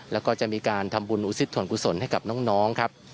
แล้วก็จะมีการทำบุญอุทิศส่วนกุศลให้กับน้องครับ